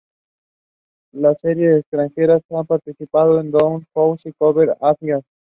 En series extranjeras ha participado en "Dollhouse" y "Covert Affairs".